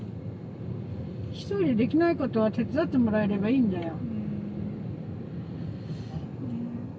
ひとりでできないことは手伝ってもらえればいいんだよ。